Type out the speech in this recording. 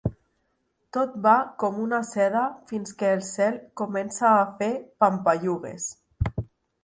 Tot va com una seda fins que el cel comença a fer pampallugues.